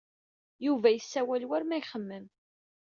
Yuba yessawal war ma ixemmem.